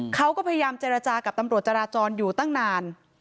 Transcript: เขาก็พยายามเจรจากับตำรวจจราจรอยู่ตั้งนาน